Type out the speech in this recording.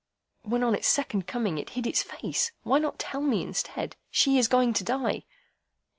When on its second coming it hid its face, why not tell me, instead, 'She is going to die.